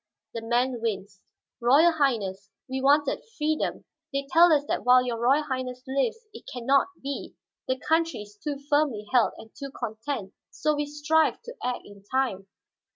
The man winced. "Royal Highness, we wanted freedom. They tell us that while your Royal Highness lives it can not be; the country is too firmly held and too content. So we strive to act in time."